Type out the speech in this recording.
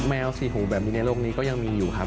แมวสี่หูแบบนี้ในโลกนี้ก็ยังมีอยู่ครับ